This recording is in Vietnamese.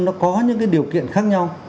nó có những cái điều kiện khác nhau